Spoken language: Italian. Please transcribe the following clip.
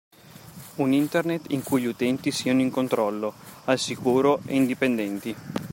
Un Internet in cui gli utenti siano in controllo, al sicuro e indipendenti.